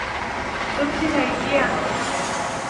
tuksi nay tiyan